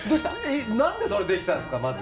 何でそれできたんですか？